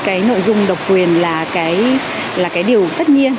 cái nội dung độc quyền là cái điều tất nhiên